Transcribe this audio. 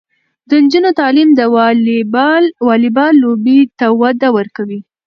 د نجونو تعلیم د والیبال لوبې ته وده ورکوي.